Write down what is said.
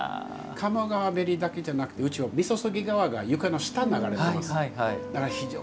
鴨川べりだけじゃなくてうちは、みそそぎ川が床の下を流れてます。